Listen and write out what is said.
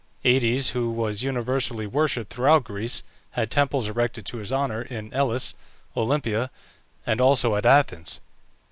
Aïdes, who was universally worshipped throughout Greece, had temples erected to his honour in Elis, Olympia, and also at Athens.